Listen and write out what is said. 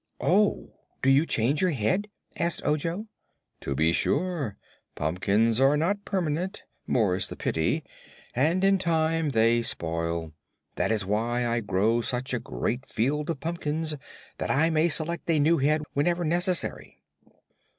"Oh; do you change your head?" asked Ojo. "To be sure. Pumpkins are not permanent, more's the pity, and in time they spoil. That is why I grow such a great field of pumpkins that I may select a new head whenever necessary."